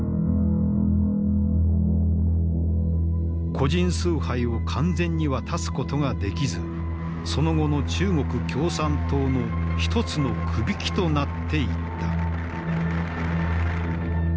個人崇拝を完全には断つことができずその後の中国共産党の一つのくびきとなっていった。